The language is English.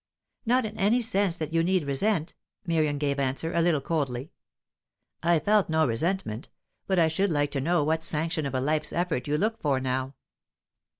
"Not in any sense that you need resent," Miriam gave answer, a little coldly. "I felt no resentment. But I should like to know what sanction of a life's effort you look for, now?